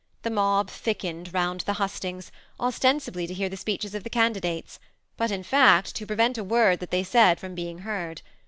The mob thickened round the hustings, ostensibly to hear the speeches of the' candidates, but, in fact, to prevent a word that they said firom being heard.